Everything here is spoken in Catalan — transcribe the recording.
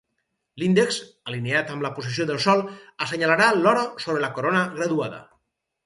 L'índex, alineat amb la posició del Sol, assenyalarà l'hora sobre la corona graduada.